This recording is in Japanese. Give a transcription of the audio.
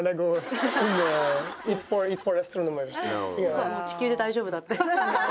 「僕はもう地球で大丈夫だ」ってハハハ！